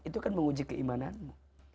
itu kan menguji keimananmu